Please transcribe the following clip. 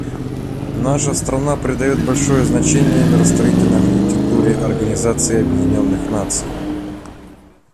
Наша страна придает большое значение миростроительной архитектуре Организации Объединенных Наций.